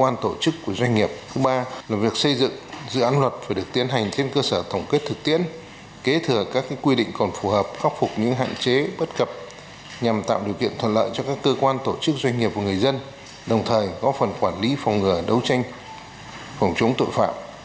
nhằm hoàn thiện cơ sở thổng kết thực tiến kế thừa các quy định còn phù hợp khắc phục những hạn chế bất cập nhằm tạo điều kiện thuận lợi cho các cơ quan tổ chức doanh nghiệp và người dân đồng thời góp phần quản lý phòng ngờ đấu tranh phòng chống tội phạm